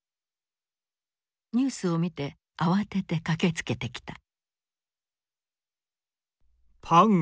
ニュースを見て慌てて駆けつけてきた。